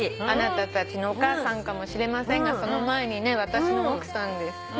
「あなたたちのお母さんかもしれませんがその前に私の奥さんです」